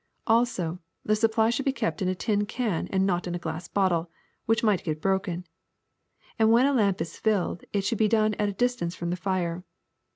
Also, the supply should be kept in a tin can and not in a glass bottle, which might get broken; and when a lamp is filled it should be done at a distance from the fire.